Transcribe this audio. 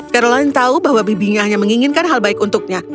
caroline tahu bahwa bibinya hanya menginginkan hal baik untuknya